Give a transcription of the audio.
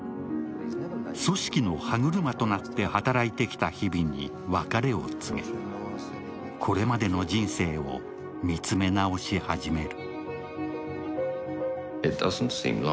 組織の歯車となって働いてきた日々に別れを告げ、これまでの人生を見つめ直し始める。